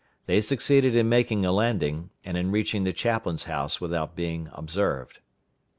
They succeeded in making a landing, and in reaching the chaplain's house without being observed.